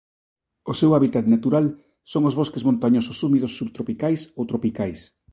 O seu hábitat natural son os bosques montañosos húmidos subtropicais ou tropicais.